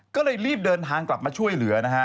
ก็เลยรีบเดินทางกลับมาช่วยเหลือนะฮะ